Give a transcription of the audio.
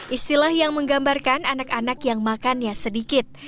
istilah yang menggambarkan anak anak yang makannya sedikit